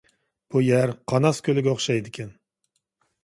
بۇ يەر قاناس كۆلىگە ئوخشايدىكەن.